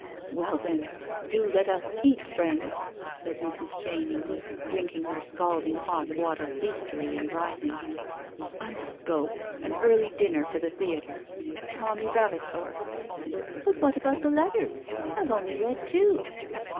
"Well, then, do let us keep friends," said Mrs. Chenies, drinking her scalding hot water hastily and rising. "I must go. An early dinner for the theatre. ... Tommy Vavasor. ..." "But what about the letters? I have only read two."